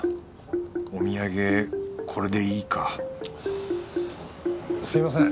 お土産これでいいかすみません。